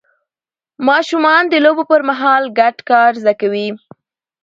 ماشومان د لوبو پر مهال ګډ کار زده کوي